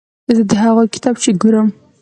زه د هغوی کتابچې ګورم.